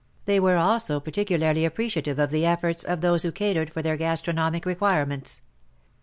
They were also particularly appreciative of the efforts of those who catered for their gastronomic requirements.